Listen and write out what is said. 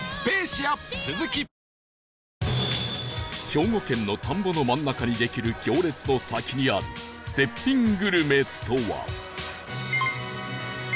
兵庫県の田んぼの真ん中にできる行列の先にある絶品グルメとは？